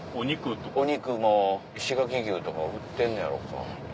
お肉も石垣牛とか売ってんのやろか。